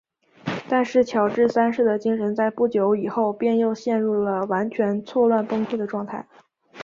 但是乔治三世的精神在不久以后便又陷入了完全错乱崩溃的状态。